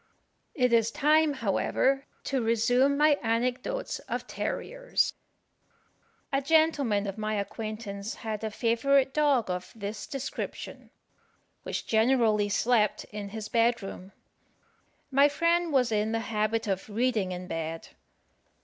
It is time, however, to resume my anecdotes of terriers. A gentleman of my acquaintance had a favourite dog of this description, which generally slept in his bed room. My friend was in the habit of reading in bed.